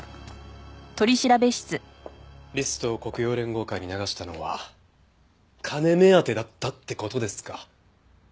リストを黒洋連合会に流したのは金目当てだったって事ですか？